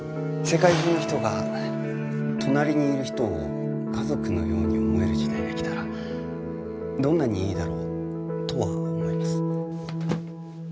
世界中の人が隣にいる人を家族のように思える時代が来たらどんなにいいだろうとは思います。